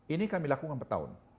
ini kami lakukan empat tahun